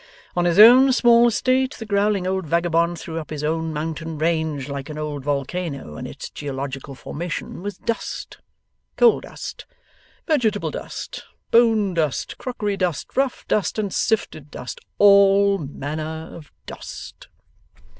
On his own small estate the growling old vagabond threw up his own mountain range, like an old volcano, and its geological formation was Dust. Coal dust, vegetable dust, bone dust, crockery dust, rough dust and sifted dust, all manner of Dust.